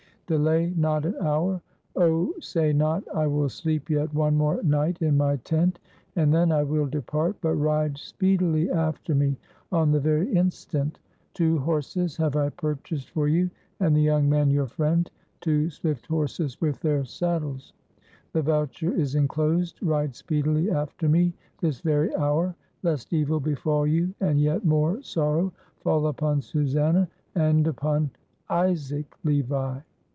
Delay not an hour. Oh, say not, 'I will sleep yet one more night in my tent, and then I will depart,' but ride speedily after me on the very instant. Two horses have I purchased for you and the young man your friend two swift horses with their saddles. The voucher is inclosed. Ride speedily after me this very hour, lest evil befall you and yet more sorrow fall upon Susannah and upon Isaac Levi."